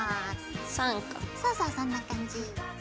そうそうそんな感じ。